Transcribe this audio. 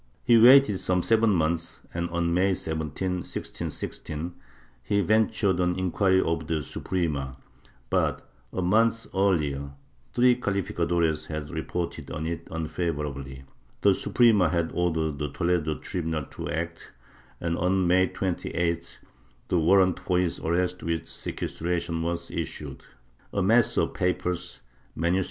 He waited some seven months and, on May 17, 1616, he ven tured an inquiry of the Suprema, but a month earlier three cali ficadores had reported on it unfavorably, the Suprema had ordered the Toledo tribunal to act and, on May 28th, the warrant for his arrest Vvdth sequestration was issued. A mass of papers, MS.